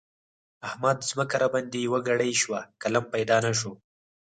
احمده! ځمکه راباندې يوه کړۍ شوه؛ قلم پيدا نه شو.